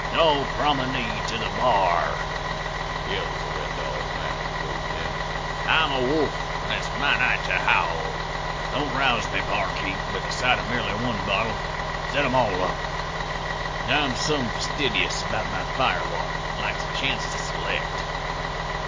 "'All promenade to the bar,' yells the Red Dog man as he goes in. 'I'm a wolf, an' it's my night to howl. Don't 'rouse me, barkeep, with the sight of merely one bottle; set 'em all up. I'm some fastidious about my fire water an' likes a chance to select.'